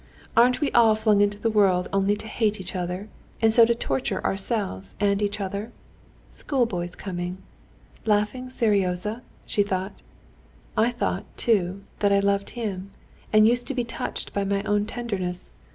Aren't we all flung into the world only to hate each other, and so to torture ourselves and each other? Schoolboys coming—laughing Seryozha?" she thought. "I thought, too, that I loved him, and used to be touched by my own tenderness.